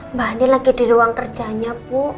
mbak ini lagi di ruang kerjanya bu